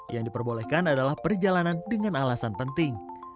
yang diperbolehkan adalah perjalanan dengan alasan penting